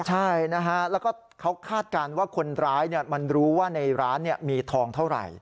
ใช่นะฮะแล้วก็เขาคาดการณ์ว่าคนร้ายมันรู้ว่าในร้านมีทองเท่าไหร่